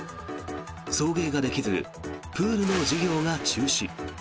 送迎ができずプールの授業が中止。